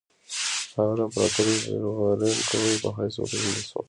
هغه د امپراطوري ژغورونکي په حیث وپېژندل شي.